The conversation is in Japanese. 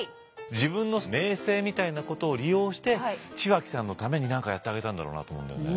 自分の名声みたいなことを利用して血脇さんのために何かやってあげたんだろうなと思うんだよね。